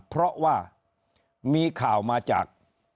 เพราะว่ามีข่าวมาจาก